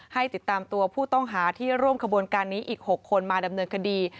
ให้ติดตามตัวผู้ต้องหาที่ร่วมขบวนการนี้อีก๖คนมาดำเนินคดี